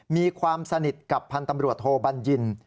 มีความสนิทกับพันธ์ตำรวจโทบัญญิน